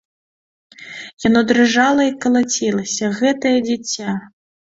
Яно дрыжала і калацілася, гэтае дзіця!